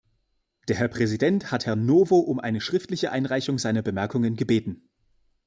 Der Herr Präsident hat Herrn Novo um eine schriftliche Einreichung seiner Bemerkungen gebeten.